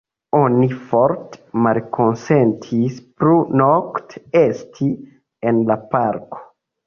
Oni forte malkonsentis plu nokte esti en la parko.